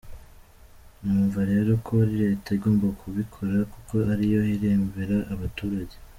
Numva rero ko ari Leta igomba kubikora kuko ari yo ireberera abaturage”.